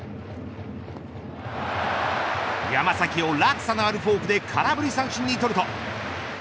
山崎を落差のあるフォークで空振り三振に取ると。